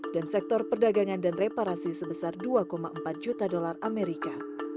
dan sektor perdagangan dan reparasi sebesar dua empat juta dolar amerika